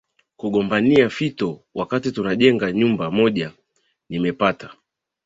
kugombania fito wakati tunajenga nyumba moja Nimepata